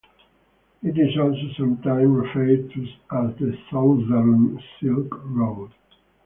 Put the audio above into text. It is also sometimes referred to as the Southern Silk Road.